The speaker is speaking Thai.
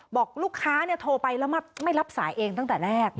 บอกลูกค้าโทรไปแล้วไม่รับสายเองตั้งแต่แรก